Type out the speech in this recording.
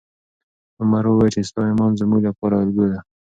عمر وویل چې ستا ایمان زموږ لپاره الګو ده.